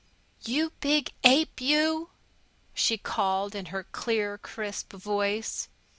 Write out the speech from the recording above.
"You big coward, you!" she called, in her clear, crisp voice.